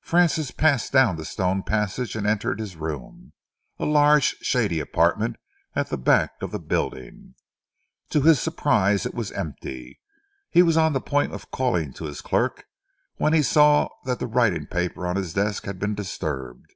Francis passed down the stone passage and entered his room, a large, shady apartment at the back of the building. To his surprise it was empty. He was on the point of calling to his clerk when he saw that the writing paper on his desk had been disturbed.